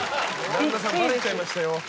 旦那さんバレちゃいましたよ。